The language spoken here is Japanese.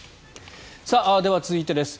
では、続いてです。